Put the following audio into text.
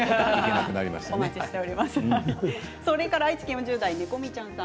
お待ちしております。